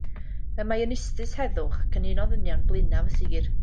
Y mae yn ustus heddwch ac yn un o ddynion blaenaf y sir.